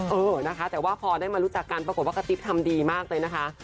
เออนะคะแต่ว่าพอได้มารู้จักกันปรากฏว่ากระติ๊บทำดีมากเลยนะคะ